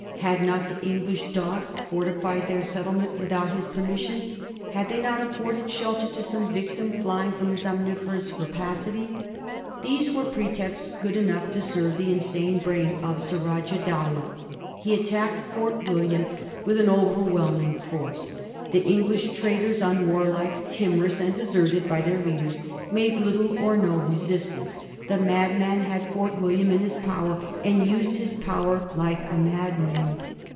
Had not tbe Englisb dogs fortified tbeir settlement witbout bis permission ? Had tbey not afforded sbelter to some vic tim flying from bis omnivorous rapacity? Tbese were pretexts good enongb to serve tbe insane brain of Sura jab Dowlab. He attacked Fort William witb an over wbelming force; tbe Englisb traders, un warlike, timorous, and deserted by tbeir leaders, made little or no resistance; tbe madman bad Fort William in bis power, and used bis power like a madman.